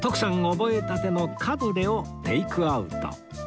覚えたてのカヌレをテイクアウト